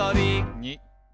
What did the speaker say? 「に」